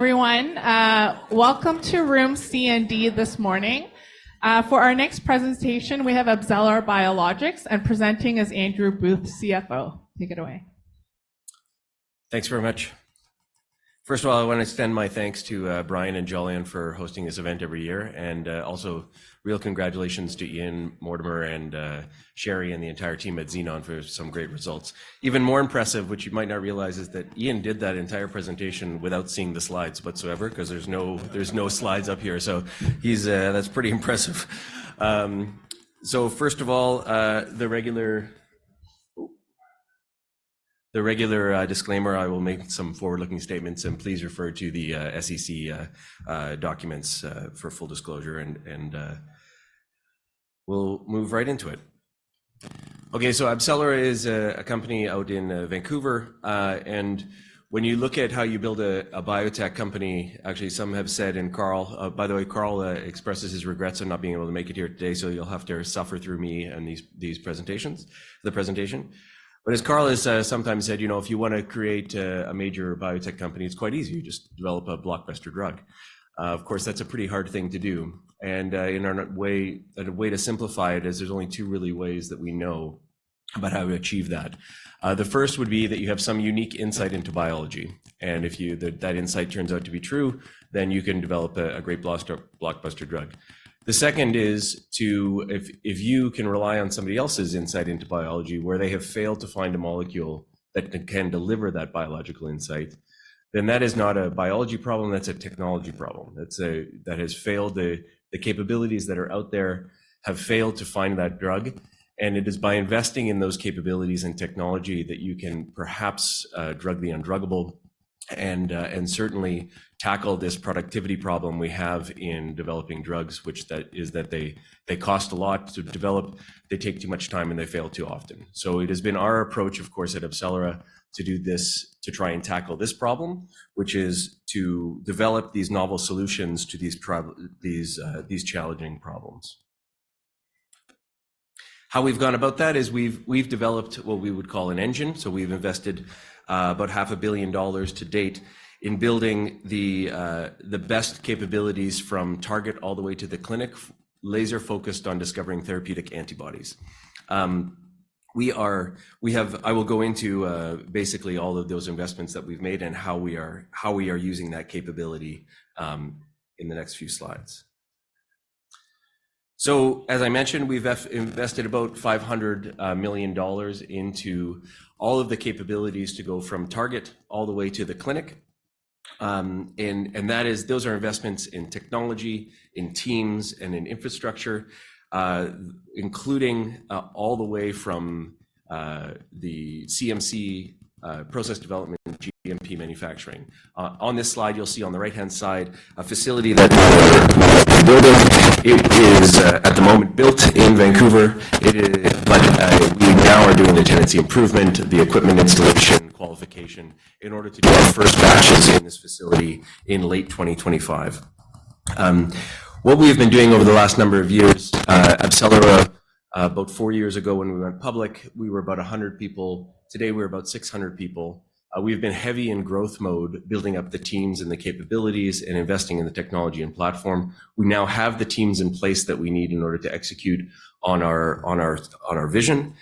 Everyone, welcome to Room C and D this morning. For our next presentation, we have AbCellera Biologics and presenting is Andrew Booth, CFO. Take it away. Thanks very much. First of all, I want to extend my thanks to Brian and Jolyon for hosting this event every year, and also real congratulations to Ian Mortimer and Sherry and the entire team at Xenon for some great results. Even more impressive, which you might not realize, is that Ian did that entire presentation without seeing the slides whatsoever, because there's no slides up here, so he's, that's pretty impressive. So first of all, the regular disclaimer: I will make some forward-looking statements, and please refer to the SEC documents for full disclosure, and we'll move right into it. Okay, so AbCellera is a company out in Vancouver, and when you look at how you build a biotech company, actually, some have said, and Carl, by the way, Carl expresses his regrets on not being able to make it here today, so you'll have to suffer through me and these presentations. But as Carl has sometimes said, you know, if you want to create a major biotech company, it's quite easy: you just develop a blockbuster drug. Of course, that's a pretty hard thing to do, and in our way, a way to simplify it is there's only two really ways that we know about how we achieve that. The first would be that you have some unique insight into biology, and if that insight turns out to be true, then you can develop a great blockbuster drug. The second is to, if you can rely on somebody else's insight into biology, where they have failed to find a molecule that can deliver that biological insight, then that is not a biology problem, that's a technology problem. That has failed, the capabilities that are out there have failed to find that drug, and it is by investing in those capabilities and technology that you can perhaps drug the undruggable and certainly tackle this productivity problem we have in developing drugs, which is that they cost a lot to develop, they take too much time, and they fail too often. So it has been our approach, of course, at AbCellera to do this, to try and tackle this problem, which is to develop these novel solutions to these challenging problems. How we've gone about that is we've developed what we would call an engine, so we've invested about $500 million to date in building the best capabilities from target all the way to the clinic, laser-focused on discovering therapeutic antibodies. We have—I will go into basically all of those investments that we've made and how we are using that capability in the next few slides. So, as I mentioned, we've invested about $500 million into all of the capabilities to go from target all the way to the clinic. That is—those are investments in technology, in teams, and in infrastructure, including all the way from the CMC process development, GMP manufacturing. On this slide, you'll see on the right-hand side a facility that we're building. It is at the moment built in Vancouver, but we now are doing the tenancy improvement, the equipment installation, qualification, in order to do our first batches in this facility in late 2025. What we have been doing over the last number of years, AbCellera, about four years ago when we went public, we were about 100 people; today we're about 600 people, we've been heavy in growth mode, building up the teams and the capabilities and investing in the technology and platform. We now have the teams in place that we need in order to execute on our vision.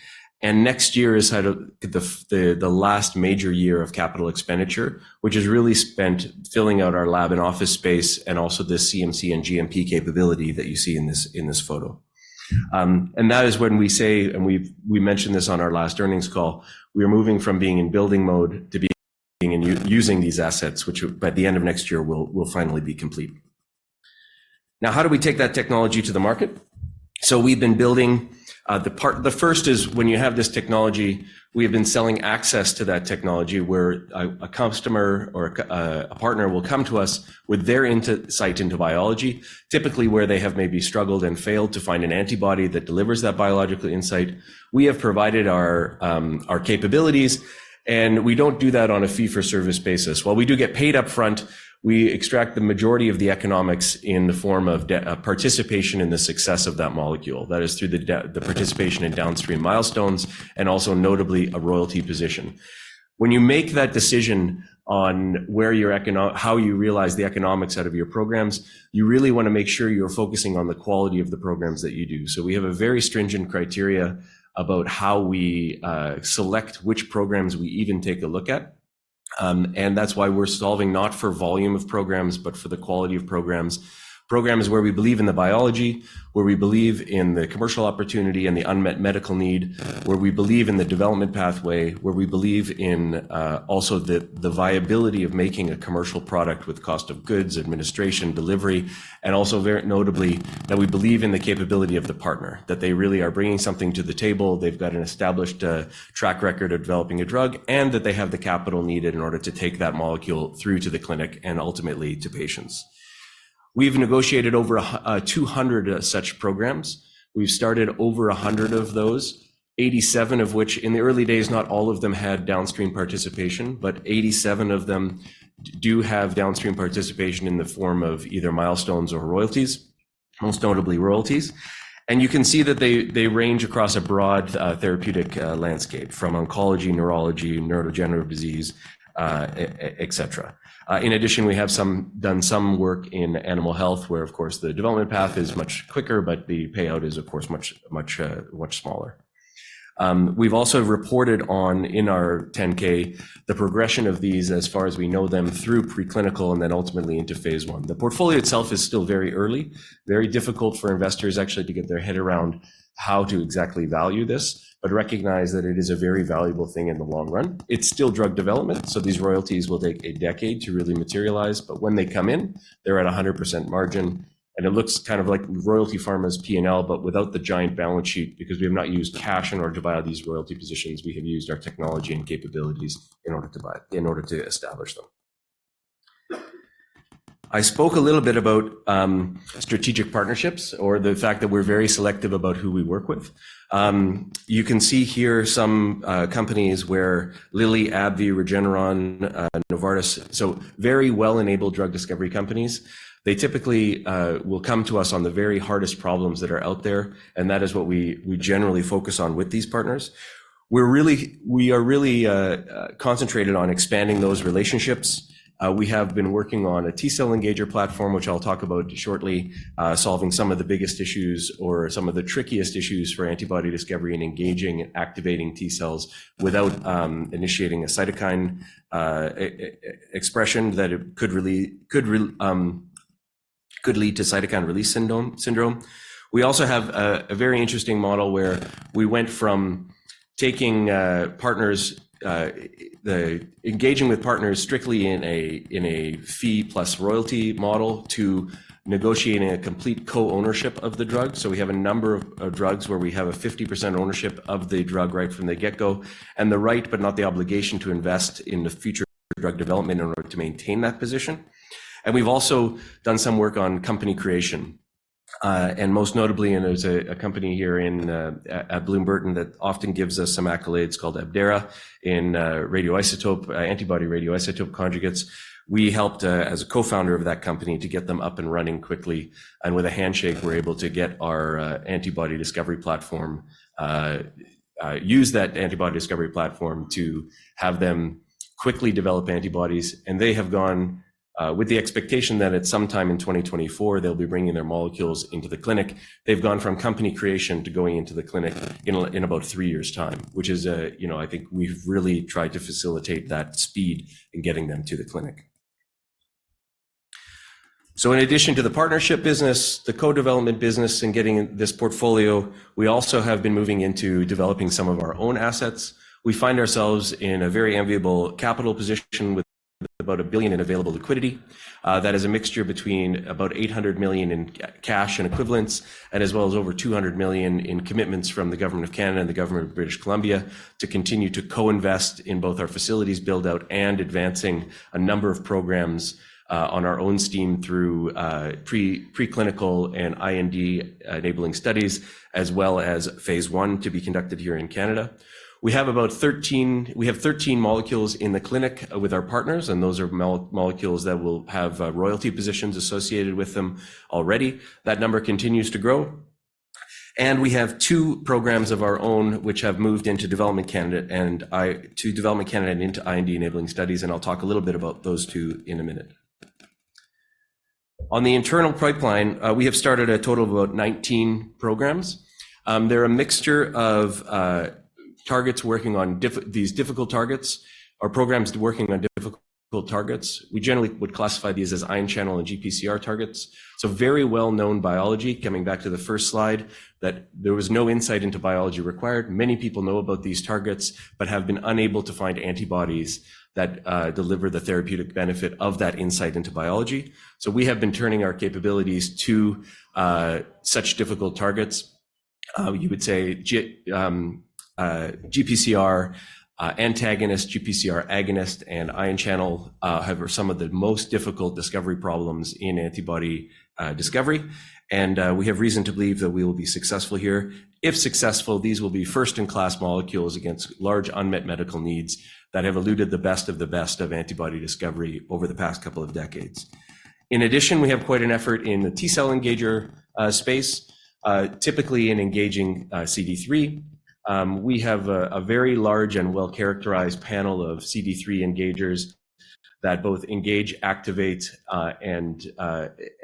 Next year is the last major year of capital expenditure, which is really spent filling out our lab and office space and also this CMC and GMP capability that you see in this photo. That is when we say—and we mentioned this on our last earnings call—we are moving from being in building mode to being in using these assets, which by the end of next year will finally be complete. Now, how do we take that technology to the market? We've been building the part—the first is when you have this technology, we have been selling access to that technology, where a customer or a partner will come to us with their insight into biology, typically where they have maybe struggled and failed to find an antibody that delivers that biological insight. We have provided our capabilities, and we don't do that on a fee-for-service basis. While we do get paid upfront, we extract the majority of the economics in the form of participation in the success of that molecule. That is through the participation in downstream milestones and also notably a royalty position. When you make that decision on where your economics, how you realize the economics out of your programs, you really want to make sure you're focusing on the quality of the programs that you do. So we have a very stringent criteria about how we select which programs we even take a look at, and that's why we're solving not for volume of programs, but for the quality of programs. Programs where we believe in the biology, where we believe in the commercial opportunity and the unmet medical need, where we believe in the development pathway, where we believe in also the viability of making a commercial product with cost of goods, administration, delivery, and also very notably that we believe in the capability of the partner, that they really are bringing something to the table, they've got an established track record of developing a drug, and that they have the capital needed in order to take that molecule through to the clinic and ultimately to patients. We've negotiated over 200 such programs. We've started over 100 of those, 87 of which in the early days not all of them had downstream participation, but 87 of them do have downstream participation in the form of either milestones or royalties, most notably royalties. You can see that they range across a broad therapeutic landscape from oncology, neurology, neurodegenerative disease, etc. In addition, we have done some work in animal health where, of course, the development path is much quicker, but the payout is, of course, much, much, much smaller. We've also reported on in our 10-K the progression of these as far as we know them through preclinical and then ultimately into Phase 1. The portfolio itself is still very early, very difficult for investors actually to get their head around how to exactly value this, but recognize that it is a very valuable thing in the long run. It's still drug development, so these royalties will take a decade to really materialize, but when they come in, they're at 100% margin, and it looks kind of like Royalty Pharma's P&L, but without the giant balance sheet because we have not used cash in order to buy these royalty positions. We have used our technology and capabilities in order to buy—in order to establish them. I spoke a little bit about strategic partnerships or the fact that we're very selective about who we work with. You can see here some companies where Lilly, AbbVie, Regeneron, Novartis—so very well-enabled drug discovery companies. They typically will come to us on the very hardest problems that are out there, and that is what we generally focus on with these partners. We're really—we are really concentrated on expanding those relationships. We have been working on a T-cell engager platform, which I'll talk about shortly, solving some of the biggest issues or some of the trickiest issues for antibody discovery and engaging and activating T-cells without initiating a cytokine expression that could lead to cytokine release syndrome. We also have a very interesting model where we went from taking partners, engaging with partners strictly in a fee-plus-royalty model to negotiating a complete co-ownership of the drug. So we have a number of drugs where we have a 50% ownership of the drug right from the get-go, and the right but not the obligation to invest in the future drug development in order to maintain that position. And we've also done some work on company creation, and most notably there's a company here at Bloom Burton that often gives us some accolades called Abdera in antibody radioisotope conjugates. We helped as a co-founder of that company to get them up and running quickly, and with a handshake we're able to get our antibody discovery platform, use that antibody discovery platform to have them quickly develop antibodies, and they have gone with the expectation that at some time in 2024 they'll be bringing their molecules into the clinic. They've gone from company creation to going into the clinic in about three years' time, which is, you know, I think we've really tried to facilitate that speed in getting them to the clinic. So in addition to the partnership business, the co-development business, and getting this portfolio, we also have been moving into developing some of our own assets. We find ourselves in a very enviable capital position with about $1 billion in available liquidity. That is a mixture between about $800 million in cash and equivalents, as well as over $200 million in commitments from the Government of Canada and the Government of British Columbia to continue to co-invest in both our facilities buildout and advancing a number of programs on our own steam through preclinical and IND enabling studies, as well as phase 1 to be conducted here in Canada. We have 13 molecules in the clinic with our partners, and those are molecules that will have royalty positions associated with them already. That number continues to grow. We have two programs of our own which have moved into development candidate and to development candidate and into IND enabling studies, and I'll talk a little bit about those two in a minute. On the internal pipeline, we have started a total of about 19 programs. They're a mixture of targets working on these difficult targets or programs working on difficult targets. We generally would classify these as ion channel and GPCR targets. So, very well-known biology, coming back to the first slide, that there was no insight into biology required. Many people know about these targets but have been unable to find antibodies that deliver the therapeutic benefit of that insight into biology. So we have been turning our capabilities to such difficult targets. You would say GPCR antagonist, GPCR agonist, and ion channel have some of the most difficult discovery problems in antibody discovery, and we have reason to believe that we will be successful here. If successful, these will be first-in-class molecules against large unmet medical needs that have eluded the best of the best of antibody discovery over the past couple of decades. In addition, we have quite an effort in the T-cell engager space, typically in engaging CD3. We have a very large and well-characterized panel of CD3 engagers that both engage, activate, and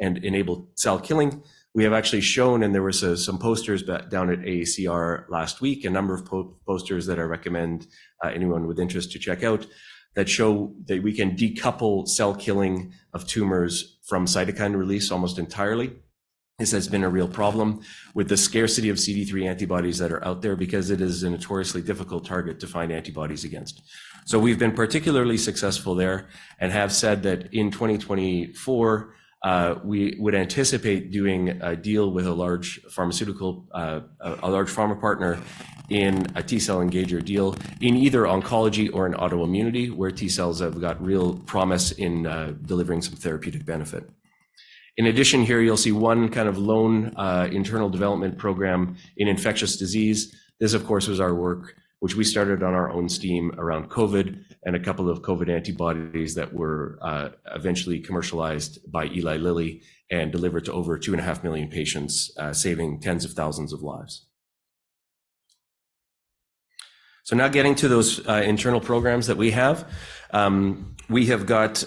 enable cell killing. We have actually shown, and there were some posters down at AACR last week, a number of posters that I recommend anyone with interest to check out that show that we can decouple cell killing of tumors from cytokine release almost entirely. This has been a real problem with the scarcity of CD3 antibodies that are out there because it is a notoriously difficult target to find antibodies against. So we've been particularly successful there and have said that in 2024, we would anticipate doing a deal with a large pharmaceutical, a large pharma partner in a T-cell engager deal in either oncology or in autoimmunity, where T-cells have got real promise in delivering some therapeutic benefit. In addition, here you'll see one kind of lone internal development program in infectious disease. This, of course, was our work, which we started on our own steam around COVID and a couple of COVID antibodies that were eventually commercialized by Eli Lilly and delivered to over 2.5 million patients, saving tens of thousands of lives. So now getting to those internal programs that we have, we have got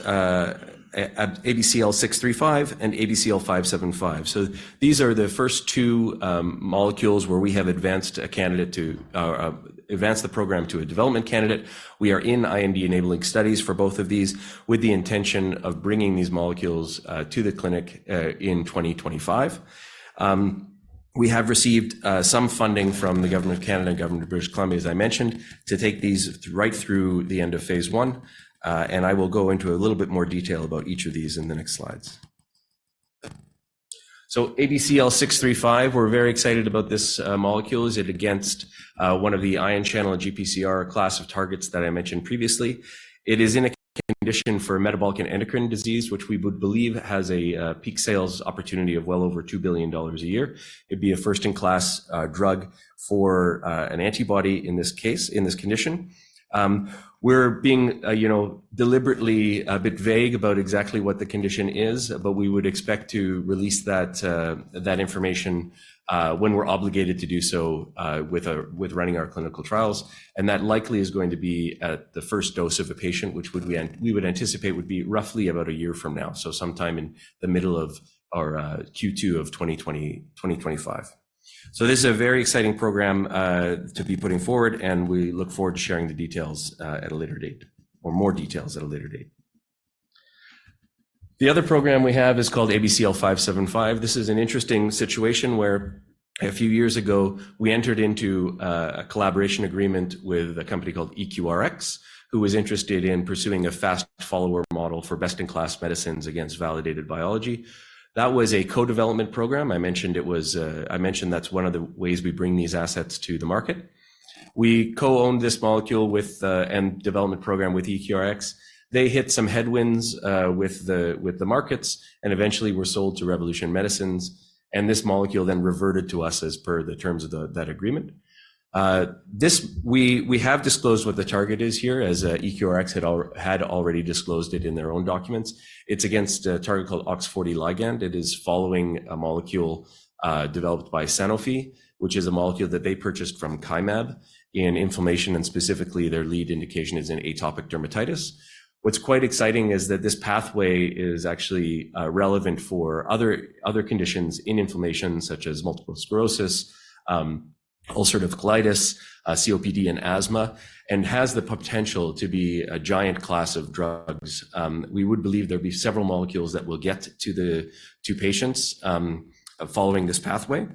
ABCL635 and ABCL575. So these are the first two molecules where we have advanced a candidate to advance the program to a development candidate. We are in IND enabling studies for both of these with the intention of bringing these molecules to the clinic in 2025. We have received some funding from the Government of Canada and Government of British Columbia, as I mentioned, to take these right through the end of Phase 1, and I will go into a little bit more detail about each of these in the next slides. ABCL635, we're very excited about this molecule. It's against one of the ion channel GPCR class of targets that I mentioned previously. It is in a condition for metabolic and endocrine disease, which we would believe has a peak sales opportunity of well over $2 billion a year. It'd be a first-in-class drug for an antibody in this case, in this condition. We're being, you know, deliberately a bit vague about exactly what the condition is, but we would expect to release that information when we're obligated to do so with running our clinical trials. And that likely is going to be at the first dose of a patient, which we would anticipate would be roughly about a year from now, so sometime in the middle of our Q2 of 2025. So this is a very exciting program to be putting forward, and we look forward to sharing the details at a later date or more details at a later date. The other program we have is called ABCL575. This is an interesting situation where a few years ago we entered into a collaboration agreement with a company called EQRx, who was interested in pursuing a fast follower model for best-in-class medicines against validated biology. That was a co-development program. I mentioned that's one of the ways we bring these assets to the market. We co-owned this molecule with and development program with EQRx. They hit some headwinds with the markets and eventually were sold to Revolution Medicines, and this molecule then reverted to us as per the terms of that agreement. We have disclosed what the target is here as EQRx had already disclosed it in their own documents. It's against a target called OX40 Ligand. It is following a molecule developed by Sanofi, which is a molecule that they purchased from Kymab in inflammation, and specifically their lead indication is in Atopic Dermatitis. What's quite exciting is that this pathway is actually relevant for other conditions in inflammation such as Multiple Sclerosis, Ulcerative Colitis, COPD, and asthma, and has the potential to be a giant class of drugs. We would believe there'd be several molecules that will get to the patients following this pathway.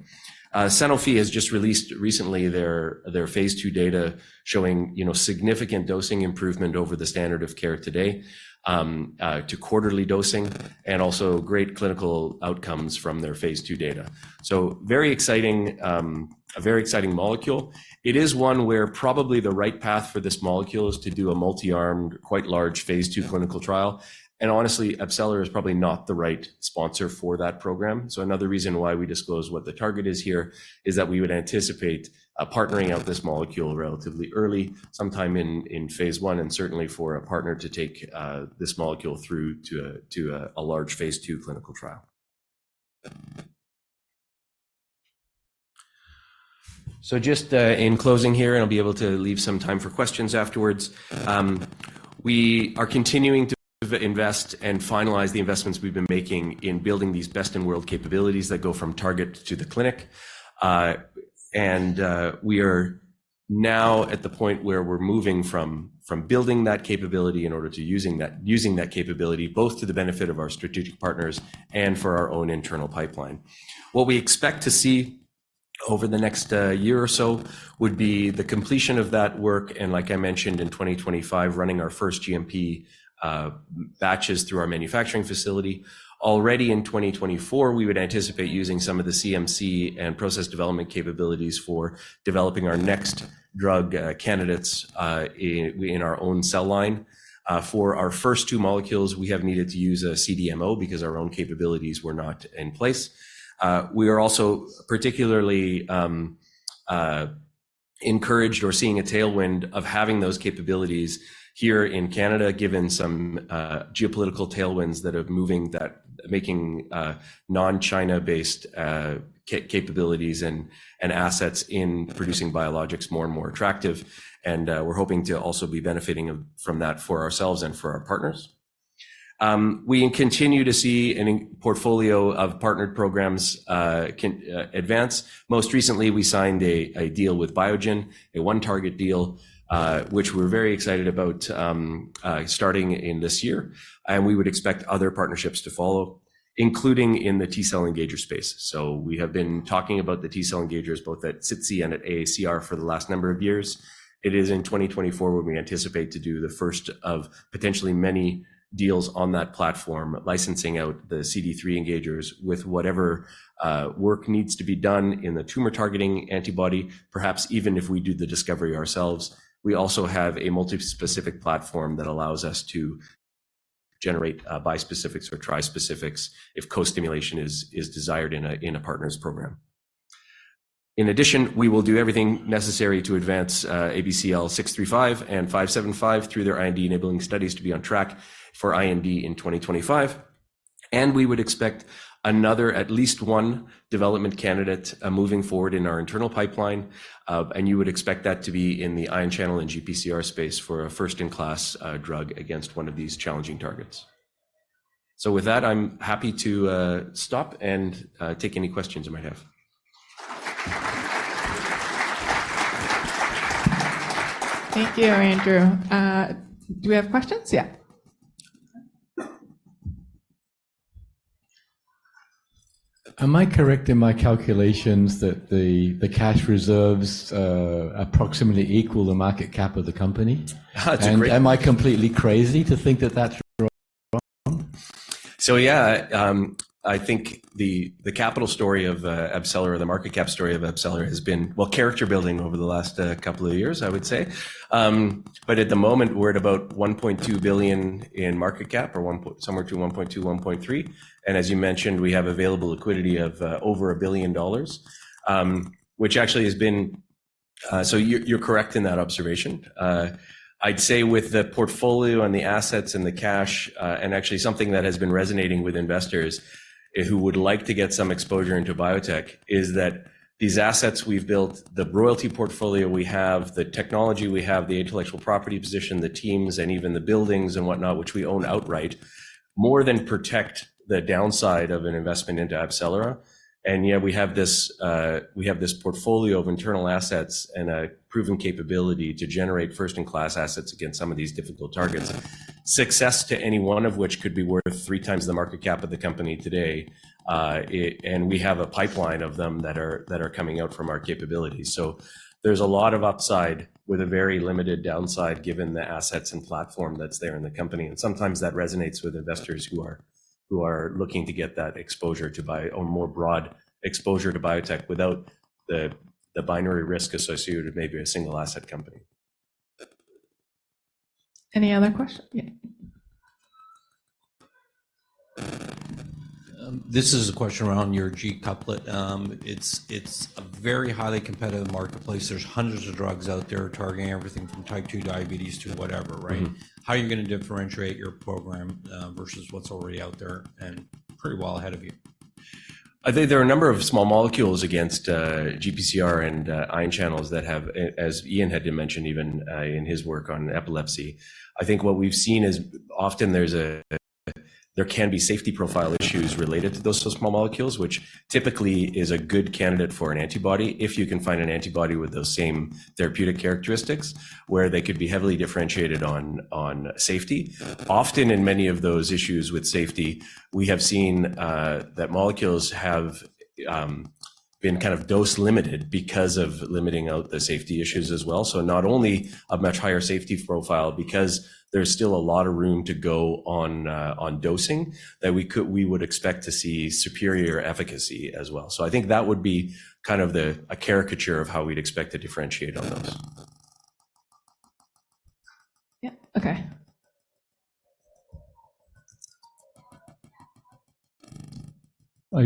Sanofi has just released recently their phase two data showing significant dosing improvement over the standard of care today to quarterly dosing and also great clinical outcomes from their phase two data. So very exciting, a very exciting molecule. It is one where probably the right path for this molecule is to do a multi-armed, quite large phase two clinical trial. And honestly, AbCellera is probably not the right sponsor for that program. So another reason why we disclose what the target is here is that we would anticipate partnering out this molecule relatively early, sometime in phase one, and certainly for a partner to take this molecule through to a large phase two clinical trial. So just in closing here, and I'll be able to leave some time for questions afterwards. We are continuing to invest and finalize the investments we've been making in building these best-in-world capabilities that go from target to the clinic. We are now at the point where we're moving from building that capability in order to using that capability both to the benefit of our strategic partners and for our own internal pipeline. What we expect to see over the next year or so would be the completion of that work and, like I mentioned, in 2025, running our first GMP batches through our manufacturing facility. Already in 2024, we would anticipate using some of the CMC and process development capabilities for developing our next drug candidates in our own cell line. For our first two molecules, we have needed to use a CDMO because our own capabilities were not in place. We are also particularly encouraged by seeing a tailwind of having those capabilities here in Canada, given some geopolitical tailwinds that are making non-China-based capabilities and assets in producing biologics more and more attractive. We're hoping to also be benefiting from that for ourselves and for our partners. We continue to see a portfolio of partnered programs advance. Most recently, we signed a deal with Biogen, a one-target deal, which we're very excited about starting in this year. We would expect other partnerships to follow, including in the T-cell engager space. We have been talking about the T-cell engagers both at SITC and at AACR for the last number of years. It is in 2024 when we anticipate to do the first of potentially many deals on that platform, licensing out the CD3 engagers with whatever work needs to be done in the tumor targeting antibody, perhaps even if we do the discovery ourselves. We also have a multi-specific platform that allows us to generate bispecifics or trispecifics if co-stimulation is desired in a partner's program. In addition, we will do everything necessary to advance ABCL635 and ABCL575 through their IND-enabling studies to be on track for IND in 2025. And we would expect another, at least one development candidate moving forward in our internal pipeline. And you would expect that to be in the ion channel and GPCR space for a first-in-class drug against one of these challenging targets. So with that, I'm happy to stop and take any questions I might have. Thank you, Andrew. Do we have questions? Yeah. Am I correct in my calculations that the cash reserves approximately equal the market cap of the company? Am I completely crazy to think that that's wrong? So yeah, I think the capital story of AbCellera or the market cap story of AbCellera has been, well, character building over the last couple of years, I would say. But at the moment, we're at about $1.2 billion in market cap or somewhere between $1.2 billion and $1.3 billion. And as you mentioned, we have available liquidity of over $1 billion, which actually has been so you're correct in that observation. I'd say with the portfolio and the assets and the cash, and actually something that has been resonating with investors who would like to get some exposure into biotech, is that these assets we've built, the royalty portfolio we have, the technology we have, the intellectual property position, the teams, and even the buildings and whatnot, which we own outright, more than protect the downside of an investment into AbCellera. And yet we have this portfolio of internal assets and a proven capability to generate first-in-class assets against some of these difficult targets, success to any one of which could be worth three times the market cap of the company today. And we have a pipeline of them that are coming out from our capabilities. So there's a lot of upside with a very limited downside given the assets and platform that's there in the company. And sometimes that resonates with investors who are looking to get that exposure to buy or more broad exposure to biotech without the binary risk associated with maybe a single asset company. Any other question? Yeah. This is a question around your GPCR. It's a very highly competitive marketplace. There's hundreds of drugs out there targeting everything from Type 2 diabetes to whatever, right? How are you going to differentiate your program versus what's already out there and pretty well ahead of you? I think there are a number of small molecules against GPCR and ion channels that have, as Ian had mentioned, even in his work on epilepsy, I think what we've seen is often there can be safety profile issues related to those small molecules, which typically is a good candidate for an antibody if you can find an antibody with those same therapeutic characteristics where they could be heavily differentiated on safety. Often in many of those issues with safety, we have seen that molecules have been kind of dose limited because of limiting out the safety issues as well. So not only a much higher safety profile because there's still a lot of room to go on dosing, that we would expect to see superior efficacy as well. So I think that would be kind of a caricature of how we'd expect to differentiate on those. Yeah. Okay.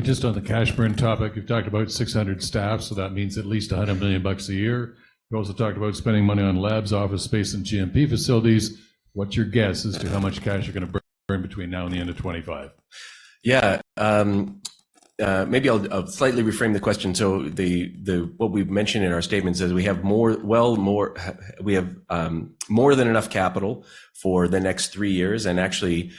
Just on the cash burn topic, you've talked about 600 staff, so that means at least $100 million a year. You also talked about spending money on labs, office space, and GMP facilities. What's your guess as to how much cash you're going to burn between now and the end of 2025? Yeah. Maybe I'll slightly reframe the question. So what we've mentioned in our statements is we have more than enough capital for the next three years and actually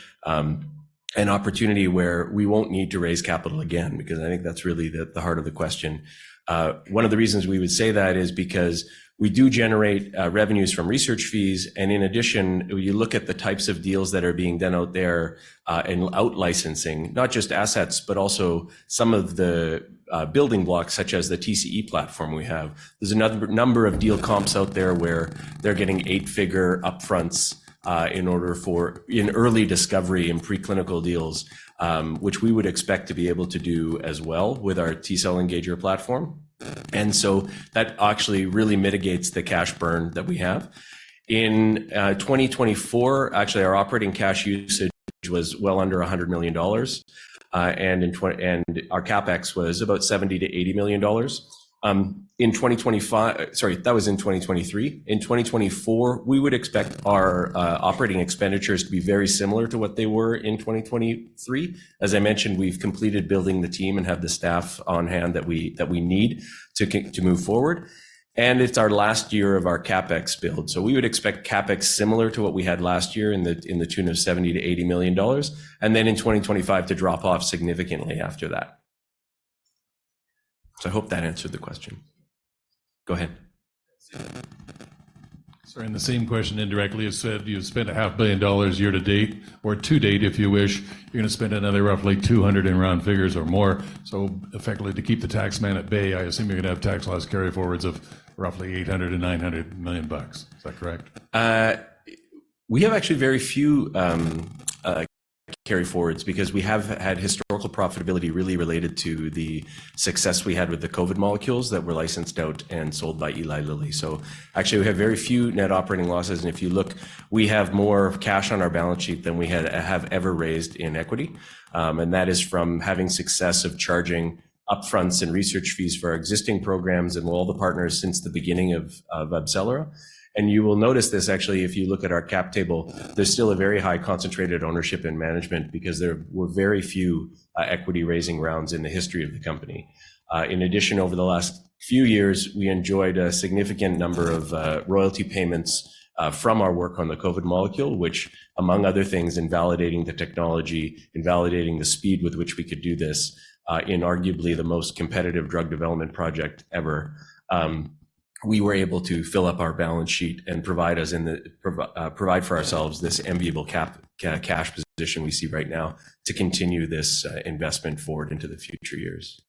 an opportunity where we won't need to raise capital again because I think that's really the heart of the question. One of the reasons we would say that is because we do generate revenues from research fees. And in addition, you look at the types of deals that are being done out there and out-licensing, not just assets, but also some of the building blocks such as the TCE platform we have. There's another number of deal comps out there where they're getting eight-figure upfronts in order for in early discovery and preclinical deals, which we would expect to be able to do as well with our T-cell engager platform. So that actually really mitigates the cash burn that we have. In 2024, actually, our operating cash usage was well under $100 million. And our CapEx was about $70-$80 million. In 2025, sorry, that was in 2023. In 2024, we would expect our operating expenditures to be very similar to what they were in 2023. As I mentioned, we've completed building the team and have the staff on hand that we need to move forward. And it's our last year of our CapEx build. So we would expect CapEx similar to what we had last year in the tune of $70-$80 million and then in 2025 to drop off significantly after that. So I hope that answered the question. Go ahead. Sorry. The same question indirectly is said. You've spent $500 million year to date or to date, if you wish, you're going to spend another roughly $200 million in round figures or more. So effectively, to keep the tax man at bay, I assume you're going to have tax loss carryforwards of roughly $800 million-$900 million. Is that correct? We have actually very few carryforwards because we have had historical profitability really related to the success we had with the COVID molecules that were licensed out and sold by Eli Lilly. So actually, we have very few net operating losses. And if you look, we have more cash on our balance sheet than we have ever raised in equity. And that is from having success of charging upfronts and research fees for our existing programs and all the partners since the beginning of AbCellera. And you will notice this, actually, if you look at our cap table, there's still a very high concentrated ownership and management because there were very few equity-raising rounds in the history of the company. In addition, over the last few years, we enjoyed a significant number of royalty payments from our work on the COVID molecule, which, among other things, in validating the technology, in validating the speed with which we could do this in arguably the most competitive drug development project ever, we were able to fill up our balance sheet and provide for ourselves this enviable cash position we see right now to continue this investment forward into the future years.